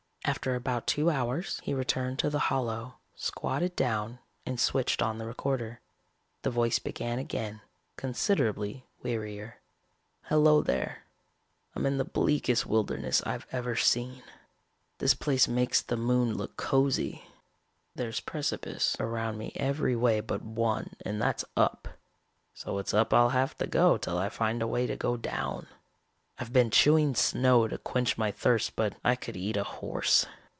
After about two hours he returned to the hollow, squatted down and switched on the recorder. The voice began again, considerably wearier. "Hello there. I'm in the bleakest wilderness I've ever seen. This place makes the moon look cozy. There's precipice around me every way but one and that's up. So it's up I'll have to go till I find a way to go down. I've been chewing snow to quench my thirst but I could eat a horse.